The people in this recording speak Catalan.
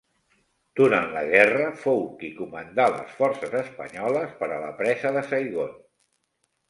Durant la guerra fou qui comandà les forces espanyoles per a la presa de Saigon.